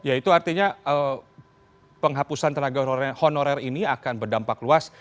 ya itu artinya penghapusan tenaga honorer ini akan berdampak luas